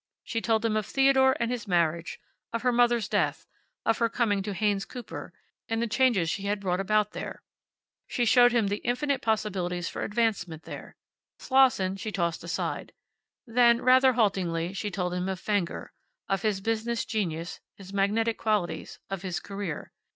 She told him of Theodore and his marriage; of her mother's death; of her coming to Haynes Cooper, and the changes she had brought about there. She showed him the infinite possibilities for advancement there. Slosson she tossed aside. Then, rather haltingly, she told him of Fenger, of his business genius, his magnetic qualities, of his career.